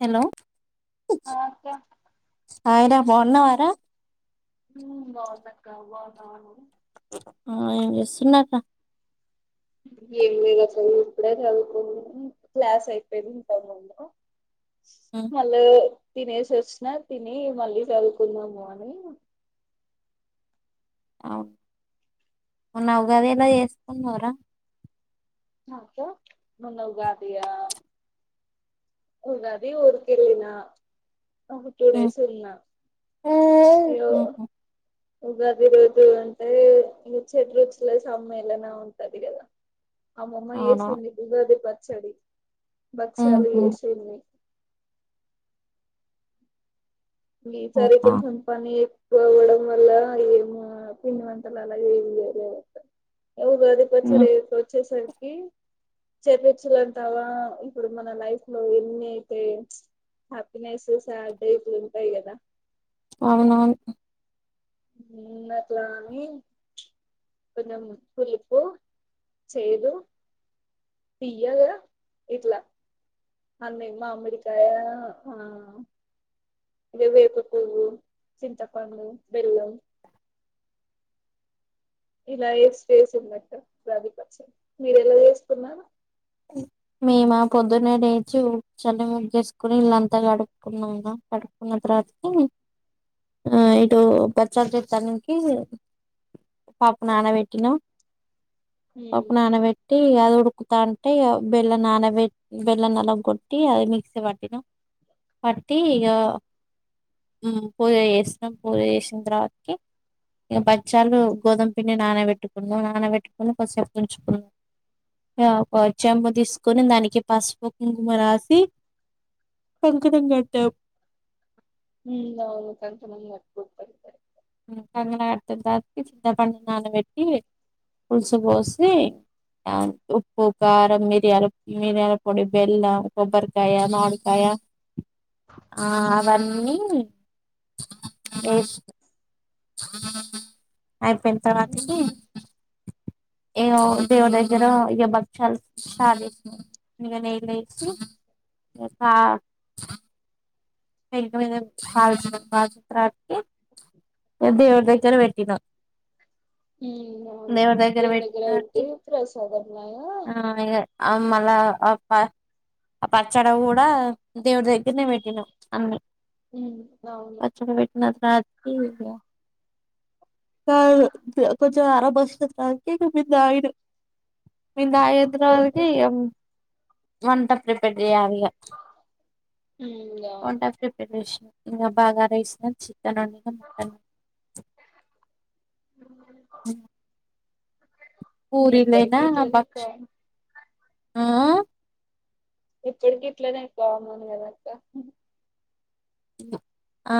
Hello ఆ అక్క hi ర బావున్నావర హ్మ్ బావున్నక్క బావున్నావా నువ్వు ఆ వస్సినట్ట ఏం లేదు అసలు ఇప్పుడే చదువుకొనికి క్లాస్ అయిపోయింది ఇంతకుముందు మళ్ళే తినేసి వచ్చినా తిని మళ్ళీ చదువుకుందాము అని అవున్ ఉన్నావ్ ఎందో చేసుకుందంరా నాకే మొన్న ఉగాది ఆ ఉగాది ఊరికే నిన్న ఒక టూ డేస్ ఉన్న అయ్యో ఉగాది రోజు అంటే ఇ చెడ్ రుచుల సమ్మెలన ఉంటది గద అమ్మమ్మ అవునా ఎసింది ఉగాది పచ్చడి మాకు చాలా అవునా ఇష్ [inaudible] ఈ సారి కొంచెం పనీ పోవడం వల్ల ఏమా పిండి వంటలు అలా ఎయ్యరు ఉగాది పచ్చడి ఏ వచ్చేసరికి చేపించలేంటావా ఇప్పుడు మన లైఫ్ లో ఎన్ని అయితే మిచ్ హ్యాపీనెస్ సాడ్ డేస్ ఉంటాయి కదా అవునాన్ నేనేట్లని కులం పులుపు చేదు తీయాగా ఇట్లా అన్నీ మామిడికాయ హ ఇది వేప పువ్వు చింతపండు బెల్లం ఇలా ఎసి చేసిందంట ఉగాది పచ్చడి మీరు ఎలా చేస్తున్నారు మ్ మేమా ఆ పొద్దున్న లెచి ఉడ్ చల్లని ముగ్గేసుకొని ఇల్లంత కడుక్కున్నునం కడుకున్నా తర్వ త ఆ ఇటు అ ఇటు బచ్చల్ చేతానికి పప్పు నానా బెట్టిన ఉమ్ పప్పు నానబెట్టి అది ఉడుకుతం అంటే బెల్లం నానబెట్ బెల్లం నాలాగొట్టి అది మిక్సీ పట్టినా పట్టి ఇగ ఉమ్ మ్ పూజ చేసినం పూజ చేసిన త్యత్రికి ఇక బచ్చాలు గోధుమ పిండి నానబెట్టుకున్నాం నానబెట్టుకుని కొద్దిసేపు ఉంచుకుంన్నాం యా ఒ చ్చమ్మ తీసుకొని దానికి పసుపు కుంకుమా రాసి కంకణం కాటం మ్ అవును కంకణం గట్టుకుంటారు కదా కాకణం గడుతు దదు చింత పండు నానబెట్టి పుల్సు బోసి ఆ ఉప్పు కారం మిరియాల మిరియాల పొడి బెల్ల కొబ్బరికాయ మామిడికాయ ఆ అవన్నీ ఏస్ అయిపోయిన ఉమ్ తర్వాతకి ఉమ్, ఏవో దేవుడి దగ్గర ఇగ భచ్చాలు స్టార్ట్ చేసినం ఇగ నేనైతే [unintelligible] [unintelligible] దేవుడి దగ్గర వెట్టిన ఊ అవును దేవుని దగ్గర ఒకటి తర్వాతకి ప్రసాదం లాగా ఆ మళ్ళ ఆ ఆ పచ్చడ కూడా దేవుడి దగ్గరనే పెట్టినాం అన్నీ ఉమ్ అవును పచ్చడ పెట్టిన తర్వాతకి హా కొంచెం ఆరబోసిన తర్వాతకి మేం తాగినం మేం ఉమ్ తాగినతర్వాతకి వంట ప్రిపేర్ చేయాలి ఇగ ఉమ్మ్ గ వంట ప్రిపరేషన్ ఇంగ బాగారైస్ వేసినం చికెన్ వండినం హ్మ్మ్ ఇక ఎప్పడికి ఇట్లనె బక్ష కా ఆ ఎప్పడికి ఇట్లనే అక్క మనము ఆ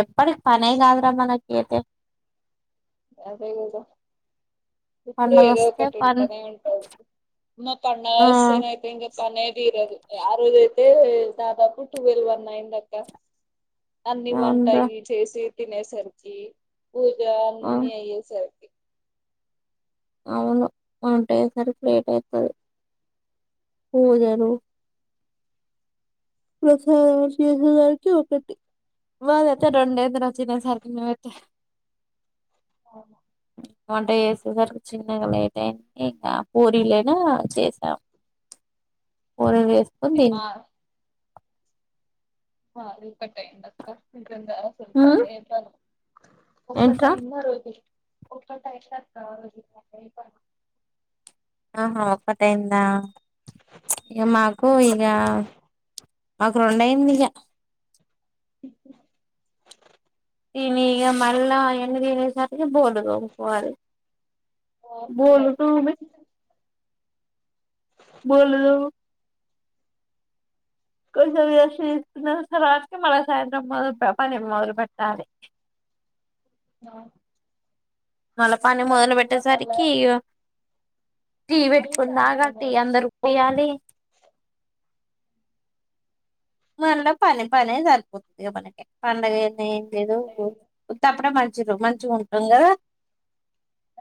ఎప్పటికి పని కాదురా మనకైతే అదే కదా ఎప్పుడు పండగ ఏదో వస్తే ఒకటి పని ఉంటనే ఉంటది అమ్మ ఆ పండగస్తేనైతే ఇగ పనే తీరదు ఆరోజు ఐతే దాదాపు ట్వెల్ వన్ అయిందక్క అన్ని అవునురా వంటయ్యి చేసి తినేసరికి పూజ ఆ అన్ని అయ్యేసరికి అవును వంటయేసరికి లేట్ అయితది పూజలు ప్రసాదాలు చేసేసరికి ఒకటి ఆ అదైతే రెండు అయిద్ది నువు తినేసరికి నువ్వు అయితే ఆ వంట చేసేసరికి చిన్నగా లేట్ అయింది. ఇకా పూరీలైనా చేసాం. పూరీల్ చేస్ మా ఆ అదే కట్టయిందక్క ఇంకుంద ఉమ్ [unintelligible] ఏంట్రా ఒక్కటయింది ఆరోజు ఒక్కటయిందక్క వెయ్యి రూపాలు ఆహా ఒక్కటైందా ఇగ మాకు ఇగ మాకు రెండు అయింది ఇగ తిని ఇగ మళ్ళా అయన్ని తినేసరికి బోల్లు తోముకోవాలి ఓ ఫుల్ బోళ్లు అయిపోయింది తోమి బోళ్ళు కొంచెం రెస్ట్ తీసుకునే తర్వాతకి మళ్ళీ సాయంత్రం మొద పని మొదలు పెట్టాలి. ఆ మళ్ళ పని మొదలు మళ్ళా పెట్టేసరికి ఇగ టీ మళ్ళీ పెట్టుకున్నాగా సాయంత్రం టీ అందరికీ పోయాలి మళ్ళ పని పనే సరి తుంది ఇగ మనకి పండగయితే ఏం లేదు అయింది ఉత్తప్పుడే మంచి చిరు మంచిగుంటాం కదా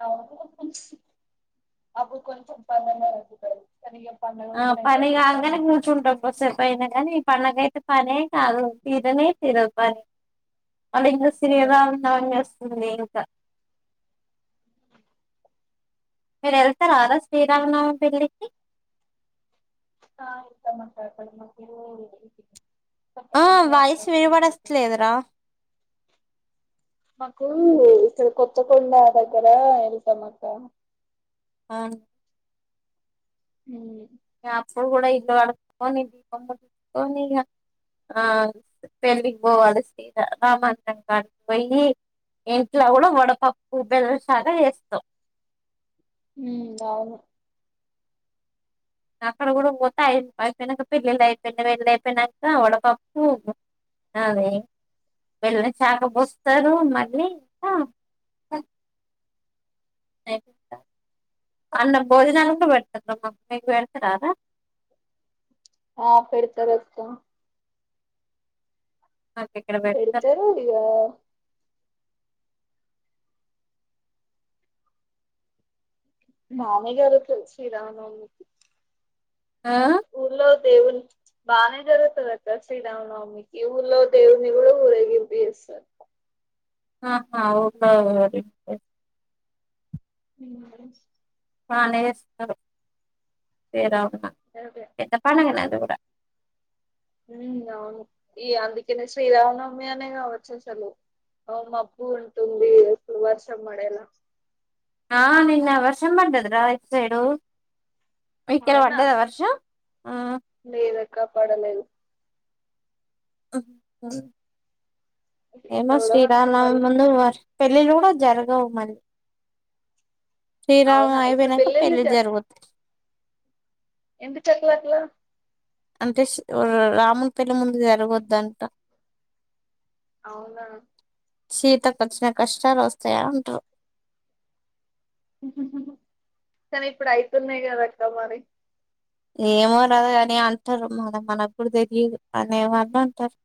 అవును అప్పుడు కొంచం పనన్న తగ్గుతది ఆ పని గాంగనే కూర్చుంటాం కొసేప్ పోయినా కానీ మనకైతే పనే కాదు తీరనే తీరదు పని మళ్ళి ఇంకా అంతే కదా శ్రీరామనవమి చేస్తుంది ఇంకా మీరు వెళ్తారా ఆరోజ్ శ్రీరామన్నవి పెళ్ళికి ఆ వెళ్దాం అక్క అక్కడ మాకు ఆ కొత్తకొండ జాతర వాయిసు వస్తది వినబడుస్తాలేదు రా కూ ఇక్కడ కొత్తకొండ దగ్గర వెళ్తాం అక్క అవును ఉ అప్పుడు కూడా ఇల్లు కడుక్కోని దీపం పెట్టుకోని ఆ పెళ్లికి పోవాలి సీత రామంతంగా పొయ్యి ఇంట్లో కూడా వడపప్పు బెల్లం శారే చేస్తాం హ్మ్మ్ అవును అక్కడ కూడా పోతేయి అయిపోయినాక పెళ్ళిళ్ళు అయిపోయినా వెళ్ళ అయిపోయినాక వడపప్పు అదే బెల్లం చాక పోస్తారు మళ్ళీ ఉన్నాయ్ కూడ అ అన్న భోజనాలు కూడా పెడతారుమ్ మా అమ్ మీకు పెడతారా ఆ పెడతరు అత్త మాకు ఇక్కడ పెడతారు పెడుతరు ఇగ బాగనే జరుగుతుంది శ్రీరామ నవమి ఆ దేవుని బానే జరుగుతదక్క శ్రీరామనవమికి ఊల్లో దేవుని కూడా ఊరేగింపు చేస్ స ఆ ఆ ఒక ఓరి తిన్నావ బానే చేస్తరు శ్రీ రామనవమి అదే గెటప్ నన్ దేవుడ ఉ అవును ఈ అందుకనే శ్రీరామనవమి అనే కావచ్చు అసలు అవును మబ్బు ఉంటుంది అసలు వర్షం పడేలా ఆ నిన్న వర్షం పడ్డది రా ఇట్ సైడు అవునా మీక్కడపడదా వర్షం ఆ ఇంకా పడలేదు ఇంత ఏమో కూడా వర్షం శ్రీరామనవమి పడలే ముందు వర్ పెళ్ళిళ్లు కూడా జరగవు మళ్ళి అవునా శ్రీరామనవమి ఇప్పుడు అయిపోయినాక పెళ్ళిళ్ళు పెళ్లిళ్లు జరుగుతయ్ ఎందు చక్కలక్కయ్య అంటే ష్ రా రాముని పెళ్లి ముందు జరగొద్దంట అవునా సీతకు వచ్చిన కష్టాలు వస్తయ అంటుర్రు కానీ ఇప్పుడు అయితున్నాయి కదా అక్క మరి ఏమో రాద అని అంటారు మన మన కూడా తెలియదు అనే వాళు అంటారు [unintelligible]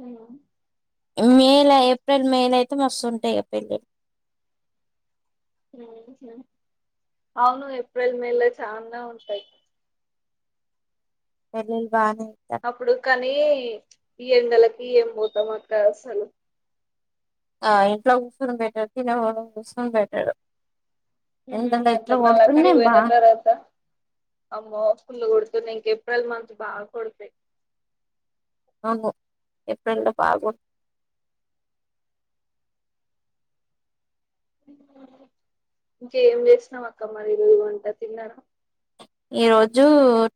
ఆ మేల ఏప్రిల్ మేల అయితే మస్తుంటయ్ పెళ్లిళ్లు ఊహు అవును ఏప్రిల్ మేళ చానా ఉంటయి పెళ్లిలు బానే అప్పుడు కానీ ఈ ఎండలకి ఏం పోతాం అక్క అసలు ఆ ఇంట్లో కూర్చొను బెట్టర్ తిన [unintelligible] బెట్టరు ఊ అంతే మళ్ల అక్కడికి బా పోయిన తర్వాత ఆమ్మో ఫుల్లు కొడుతున్నయ్ ఇంకేప్ ట్వల్ మంత్స్ బాగా కొడుతయ్ ఇంగో ఏప్రిల్ లో పాగో ఇంకేం చేసినాం అక్క మరి ఈ రోజు వంట తిన్నర ఈ రోజు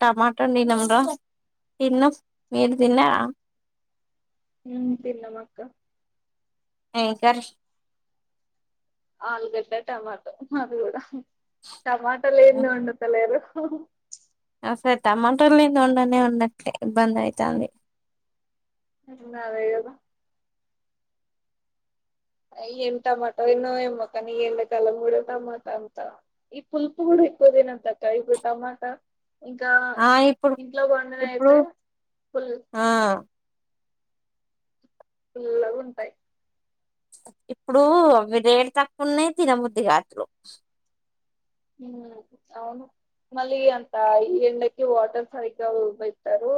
టమాటా వండినం రా తిన్నం మీరు తిన్నార ఊ తిన్నమక్క ఇంకా ఆలుగడ్డ టమాటో మాది కూడా టమాటా లేనిది వండుతలేరు ఓ అసల్ టమాట లేంది ఒండనే ఒండట్లే ఇబ్బంది ఐతంది ఇంగ అదే కదా అ ఏం టమాట దీన్నదో ఏమ్మో కానీ ఎండకలం కూడా టమాటా అంత ఈ పులుపు కూడా ఎక్కువ తినొద్దక్క ఇపుడు టమాటా ఇంకా ఆ ఇప్పుడు ఇంట్లో పండినవి ఇప్పుడు అయితే ఫుల్ ఆ పుల్లగా ఉంటాయి ఇప్పుడు అవి రేట్ తక్కువ ఉన్నాయి తినబద్ది కాట్లేదు ఊ అవును మళ్ళీ అంత ఈ ఎండకి వాటర్ సరిగ్గా పెట్టరు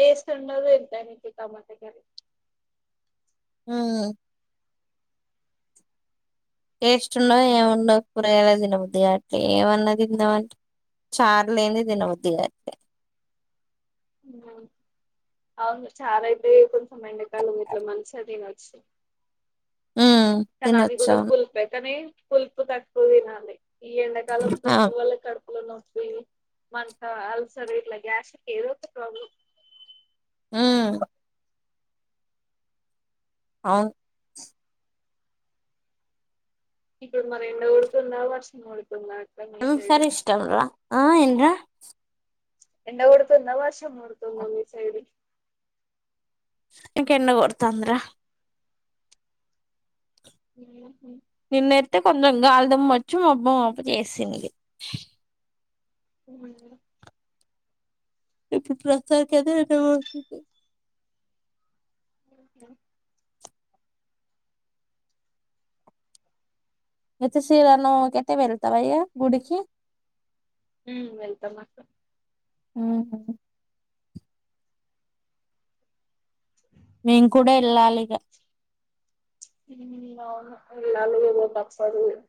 టేస్ట్ ఉండదు ఏంతెనా ఇపుడు టమాటా కి కానీ [inaudible] ఊ టేస్ట్ ఉండవు ఏముండవు కూరయలా తినబుద్ది కట్లే ఏమన్నా తిందామ అంటే చార్ లేనిది తినబుద్ధి కాట్లే అమ్మ అవును చార్ అయితే కొంచెం ఎండకాల ఇట్లా మంచిగా తినొచ్చు ఉమ్ కానీ అది తినొచ్చు కూడా అవును పులుపె కానీ పులుపు తక్కువ తినాలి ఈ ఎండాకాలం ఆ పులుపు వల్ల కడుపు పులో నొప్పి మంత అల్సర ఇట్లా గ్యాస్కి ఏదో ఒక ప్రాబ్లమ్ ఊ అవును ఇప్పుడు మరి ఎండ కొడుతుందా వర్షం పడుతుందా ఉమ్ సరె ఇష్టం రా ఆ ఏం రా ఎండ గొడుతుంద వర్షం పడుతుంద మీ ఈ సైడు ఇంక ఎండ గొడుతాంది రా [inaudible] నిన్నెత్తే కొంతెం గాలిదుమ్మొచ్చి మొబ్బు మొబ్బు జేసింది అవున ఇప్పుడు ప్రస్తుతానికైతే ఎండ పడుతుంది అవుట్ నా ఐతే శ్రీరామనవమికి ఇతే వెళ్తావా అయ్యా గుడికి ఉ వెళ్తన్నట్టు ఉ మేం కూడా ఎళ్ళాలిగా ఉ అవును వెళ్ళాలి గదా తప్పదు గద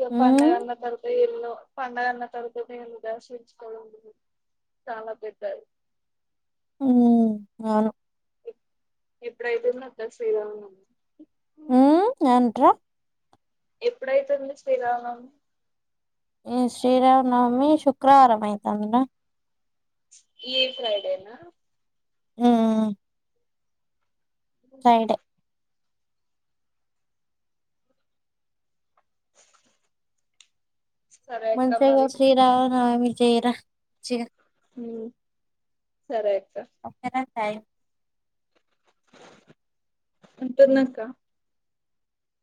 ఇగ పండగ ఉమ్ అన్న తర్వాత ఇల్లు పండగ అన్న తర్వాత నే ఉదర్శించుకోవడం చాలా పెద్దది ఊ అవును ఎప్ ఎప్పుడైతుంది అక్క శ్రీరామనవమి ఊ ఏంట్రా ఎప్పుడైతుంది శ్రీరామనవమి శ్రీరామనవమి శుక్రవారం అయితాంది రా ఈ ఫ్రైడేనా ఊ ఆ ఫ్రైడే సరే అక్క మంచిదే గద మరి శ్రీరామనవమి చెయ్ రా చిగ ఉ సరే అక్క ఒకే ర థాంక్ అంటున్నక్క